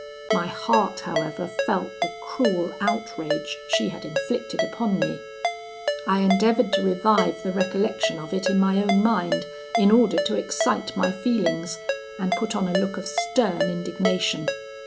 My heart, however, felt the cruel outrage she had inflicted upon me. I endeavoured to revive the recollection of it in my own mind, in order to excite my feelings, and put on a look of stern indignation.